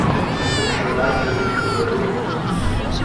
Nun schreit hier nicht so herum!